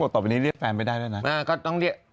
ตอนนี้เรียกแฟนไปได้ด้วยนะ